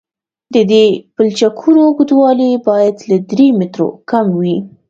د دې پلچکونو اوږدوالی باید له درې مترو کم وي